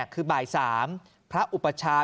คือบ่าย๓พระอุปชา